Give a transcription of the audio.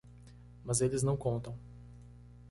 Mas eles não contam.